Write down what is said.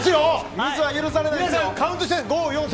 ミスは許されないですよ。